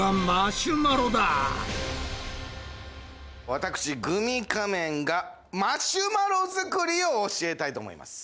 私グミ仮面がマシュマロ作りを教えたいと思います。